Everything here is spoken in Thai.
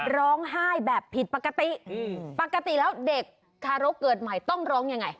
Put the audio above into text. ร้องไห้แบบผิดปกติปกติแล้วเด็กทารกเกิดใหม่ต้องร้องยังไง